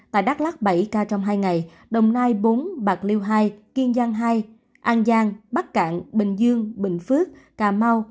tại đắk lắc bảy ca trong hai ngày đồng nai bốn bạc liêu hai kiên giang hai an giang bắc cạn bình dương bình phước cà mau